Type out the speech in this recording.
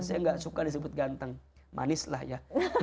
saya tidak suka disebut ganteng manislah ya